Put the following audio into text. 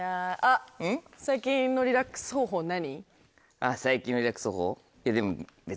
あっ最近のリラックス方法？